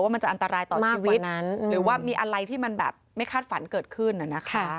มันจะอันตรายต่อชีวิตหรือว่ามีอะไรที่มันแบบไม่คาดฝันเกิดขึ้น